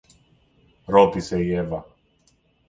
ρώτησε η Εύα